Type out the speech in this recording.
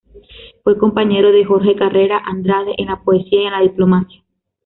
Fue compañero de Jorge Carrera Andrade en la poesía y en la diplomacia.